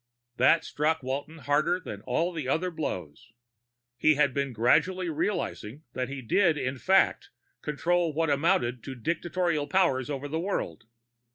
That struck Walton harder than all the other blows. He had been gradually realizing that he did, in fact, control what amounted to dictatorial powers over the world.